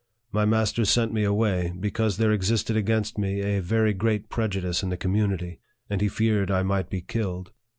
My master sent me away, be cause there existed against me a very great prejudice in the community, and he feared I might be killed.